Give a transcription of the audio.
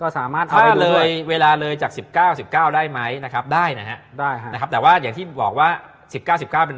เล็กเล็กเล็กเล็กเล็กเล็กเล็กเล็กเล็กเล็กเล็กเล็กเล็กเล็กเล็ก